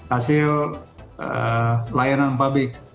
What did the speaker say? hasil layanan publik dari dinas pkp